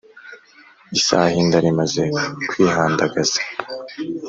isahinda rimaze kwihandagaza